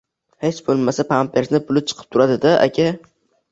«Hech bo‘lmasa pampersining puli chiqib turadi-da, aka